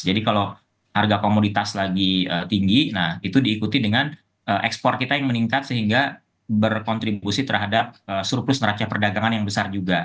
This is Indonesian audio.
jadi kalau harga komoditas lagi tinggi nah itu diikuti dengan ekspor kita yang meningkat sehingga berkontribusi terhadap surplus neraca perdagangan yang besar juga